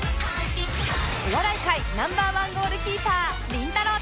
お笑い界 Ｎｏ．１ ゴールキーパーりんたろー。